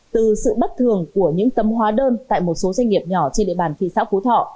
từ sự bất thường của những tấm hóa đơn tại một số doanh nghiệp nhỏ trên địa bàn thị xã phú thọ